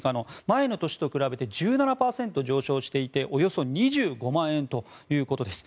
前の年と比べて１７％上昇していておよそ２５万円ということです。